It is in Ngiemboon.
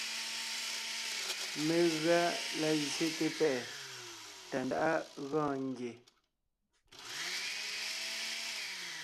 Megʉa la zsyete pɛ́ʼɛ Tàndáʼa gɔɔn ngie.